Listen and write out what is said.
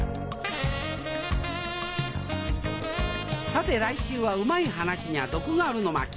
さて来週は「旨い話にゃ毒がある？」の巻。